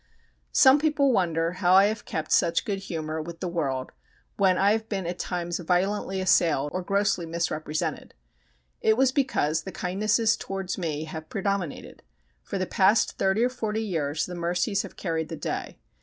Some people wonder how I have kept in such good humour with the world when I have been at times violently assailed or grossly misrepresented. It was because the kindnesses towards me have predominated. For the past thirty or forty years the mercies have carried the day.